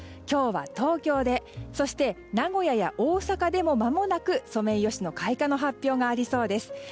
今日は東京でそして名古屋や大阪でもまもなくソメイヨシノの開花の発表がありそうです。